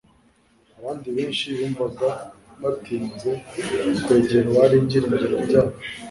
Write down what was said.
Abandi benshi bumvaga batinze kwegera Uwari ibyiringiro byabo